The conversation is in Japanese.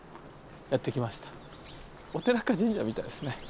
お寺か神社みたいですね。